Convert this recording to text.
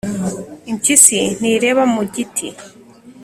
Impyisi ntireba mu giti